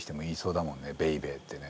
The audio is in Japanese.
「ベイベー」ってね。